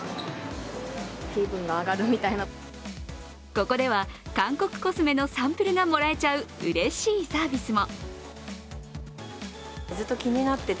ここでは韓国コスメのサンプルがもらえちゃう、うれしいサービスも。